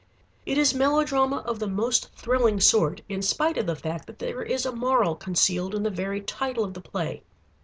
"It is melodrama of the most thrilling sort, in spite of the fact that there is a moral concealed in the very title of the play.